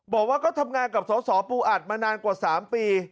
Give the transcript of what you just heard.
บอกว่าก็ทำงานกับสสปูอัดมานานกว่า๓ปี